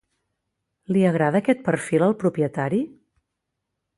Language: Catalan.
Li agrada aquest perfil al propietari?